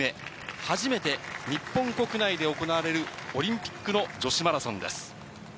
初めて日本国内で行われるオリンピックの女子マラソンです。